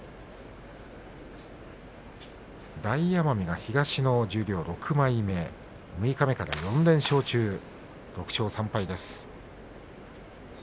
大奄美が東の十両６枚目六日目から４連勝中６勝３敗です。